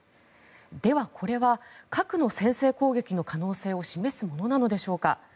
では、これは核の先制攻撃の可能性を示すものなのでしょうか。